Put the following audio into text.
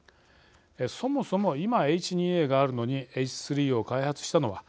そもそも今、Ｈ２ＡがあるのにＨ３を開発したのは